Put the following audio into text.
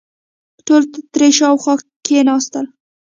ټول ترې شاوخوا کېناستل.